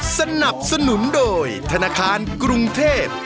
สนับสนุนโดยธนาคารกรุงเทพ